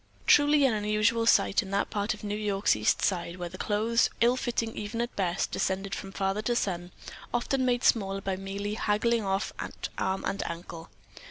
Truly an unusual sight in that part of New York's East Side, where the clothes, ill fitting even at best, descended from father to son, often made smaller by merely being haggled off at arm and ankle.